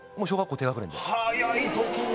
早い時に。